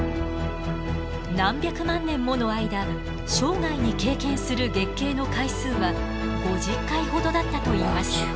何百万年もの間生涯に経験する月経の回数は５０回ほどだったといいます。